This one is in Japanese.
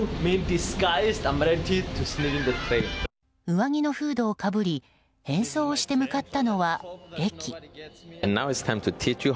上着のフードをかぶり変装をして向かったのは駅。